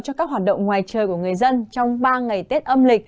cho các hoạt động ngoài trời của người dân trong ba ngày tết âm lịch